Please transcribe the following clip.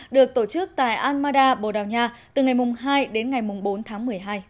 được tổ chức tại almada bồ đào nha từ ngày hai đến ngày bốn tháng một mươi hai